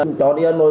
mình chó điên rồi